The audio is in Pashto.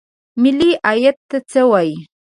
ملي عاید څه ته وایي؟